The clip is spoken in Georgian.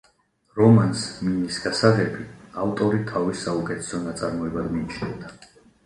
რომანს „მინის გასაღები“ ავტორი თავის საუკეთესო ნაწარმოებად მიიჩნევდა.